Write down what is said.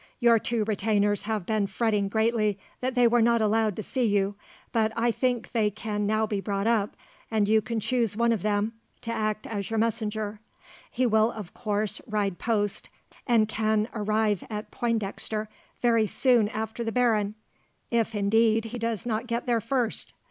Your two retainers have been fretting greatly that they were not allowed to see you, but I think that now they can be brought up, and you can choose one of them to act as your messenger. He will, of course, ride post, and can arrive at Pointdexter very soon after the baron, if indeed he does not get there first.